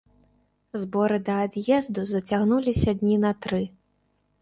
Зборы да ад'езду зацягнуліся дні на тры.